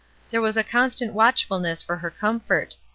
There was a constant watchfulness for her com fort.